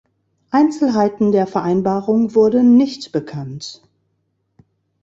Einzelheiten der Vereinbarung wurden nicht bekannt.